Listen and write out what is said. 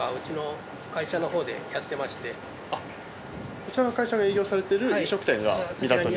こちらの会社が営業されてる飲食店が港に。